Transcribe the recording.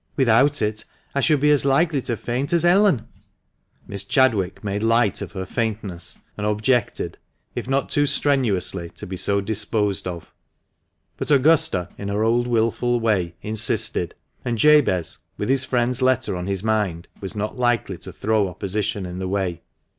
Without it I should be as likely to faint as Ellen." Miss Chadwick made light of her faintness, and objected, if not too strenuously, to be so disposed of; but Augusta, in her THE MANCHESTER MAN. 341 old wilful way, insisted, and Jabez, with his friend's letter on his mind, was not likely to throw opposition in the way.